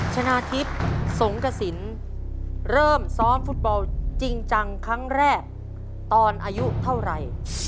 ชนะทิพย์สงกระสินเริ่มซ้อมฟุตบอลจริงจังครั้งแรกตอนอายุเท่าไหร่